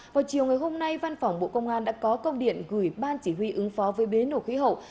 vào chiều ngày hôm nay văn phòng bộ công an đã có công điện gửi ban chỉ huy ứng phó với biến đổi khí hậu